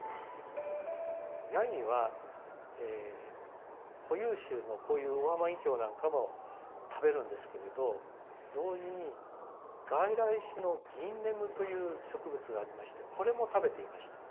ヤギは固有種のこういうオオハマギキョウなんかも食べるんですけれど同時に外来種のギンネムという植物がありましてこれも食べていました。